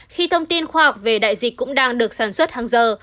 khi thông tin khoa học về đại dịch cũng đang được sản xuất hàng giờ